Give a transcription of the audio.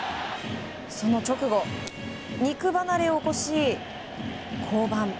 その直後、肉離れを起こし降板。